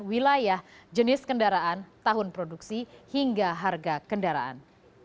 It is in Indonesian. wilayah jenis kendaraan tahun produksi hingga harga kendaraan